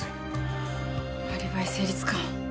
アリバイ成立か。